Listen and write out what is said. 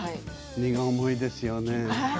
荷が重いですよね。